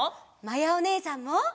まやおねえさんも！